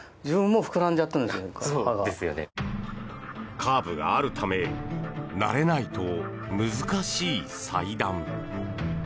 カーブがあるため慣れないと難しい裁断。